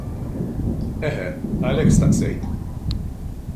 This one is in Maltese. Eħe, għalhekk staqsejt.